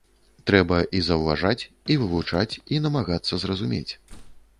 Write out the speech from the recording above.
Трэба і заўважаць, і вывучаць, і намагацца зразумець.